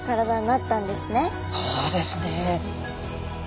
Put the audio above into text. そうですね。